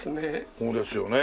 そうですよね。